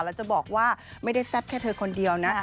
แล้วจะบอกว่าไม่ได้แซ่บแค่เธอคนเดียวนะ